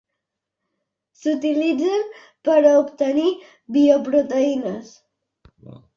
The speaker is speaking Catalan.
S'utilitzen per a obtenir bioproteïnes.